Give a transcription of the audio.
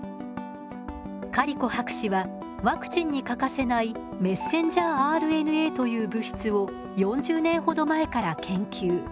カリコ博士はワクチンに欠かせないｍＲＮＡという物質を４０年ほど前から研究。